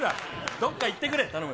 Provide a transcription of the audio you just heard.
どっか行ってくれ、頼む。